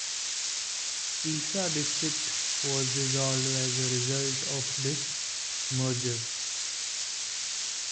Isa District was dissolved as a result of this merger.